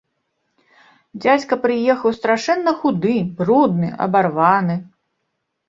Дзядзька прыехаў страшэнна худы, брудны, абарваны.